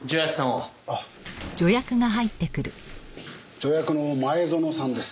助役の前園さんです。